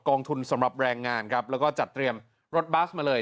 ทุนสำหรับแรงงานครับแล้วก็จัดเตรียมรถบัสมาเลย